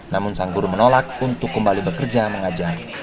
namun sang guru menolak untuk kembali bekerja mengajar